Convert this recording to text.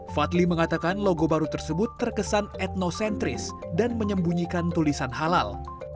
fadli mengatakan logo baru tersebut terkesan etnocentris dan menyembunyikan tulisan halal